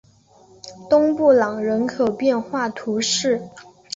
东布朗人口变化图示